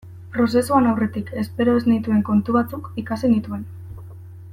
Prozesuan aurretik espero ez nituen kontu batzuk ikasi nituen.